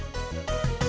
aduh pakai batu